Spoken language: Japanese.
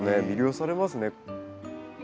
魅了されますね。